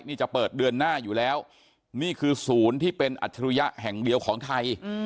นี่จะเปิดเดือนหน้าอยู่แล้วนี่คือศูนย์ที่เป็นอัจฉริยะแห่งเดียวของไทย